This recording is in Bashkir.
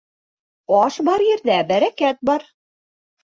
Аш бар ерҙә бәрәкәт бар.